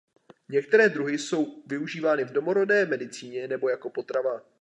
Některé druhy jsou využívány v domorodé medicíně nebo jako potrava.